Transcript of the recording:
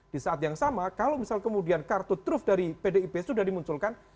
di saat yang sama kalau misal kemudian kartu truf dari pdip sudah dimunculkan